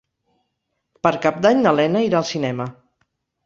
Per Cap d'Any na Lena irà al cinema.